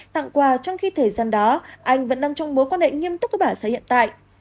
tặng quà trong khi thời gian đó anh vẫn đang trong mối quan hệ nghiêm túc với bả sở hiện tại